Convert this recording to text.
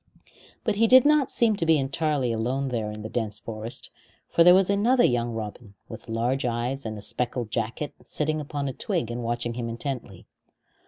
But he did not seem to be entirely alone there in the dense forest, for there was another young robin, with large eyes and a speckled jacket, sitting upon a twig and watching him intently.